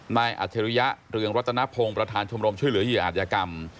นายอัธิริยะเรืองรัตนพงศ์ประธานชมรมช่วยเหลืออาธิกรรม